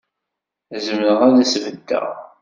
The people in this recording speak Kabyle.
Zemreɣ ad as-beddeɣ.